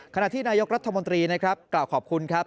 ขณะที่นายกรัฐมนตรีกล่าวกขอบคุณครับ